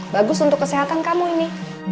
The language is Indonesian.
bagus untuk kesehatan kamu ini